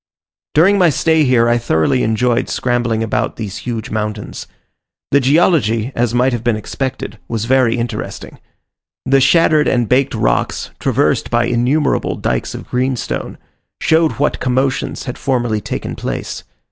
During my stay here I thoroughly enjoyed scrambling about these huge mountains. The geology, as might have been expected, was very interesting. The shattered and baked rocks, traversed by innumerable dykes of greenstone, showed what commotions had formerly taken place.